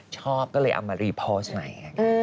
ชอบก็เลยเอามารีโพสต์ใหม่